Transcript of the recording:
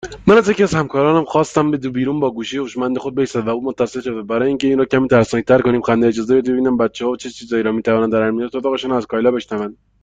من از یکی از همکاران خواستم بیرون با گوشی هوشمند خود بایستد، و او متصل شود، و برای اینکه این را کمی ترسناکتر کنیم … (خنده) اجازه بدهید ببینیم بچهها چه چیزهایی را میتوانند در امنیت اتاقشان از کایلا بشنوند